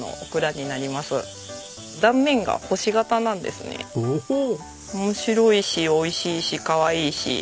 面白いし美味しいしかわいいし。